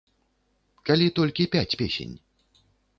Калі толькі пяць песень?